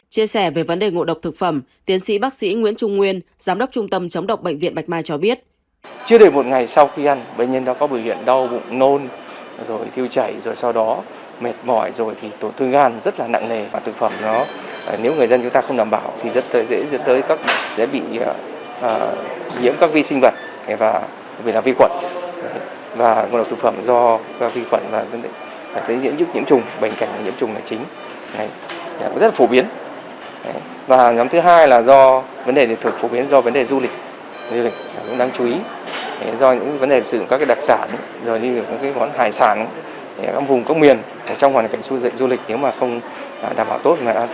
chia sẻ về vấn đề ngộ độc thực phẩm tiến sĩ bác sĩ nguyễn trung nguyên giám đốc trung tâm chống độc bệnh viện bạch mai cho biết